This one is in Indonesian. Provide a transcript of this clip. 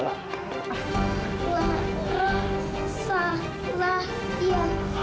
lara salah ya